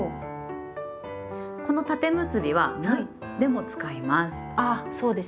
この「縦結び」は「む」でも使います。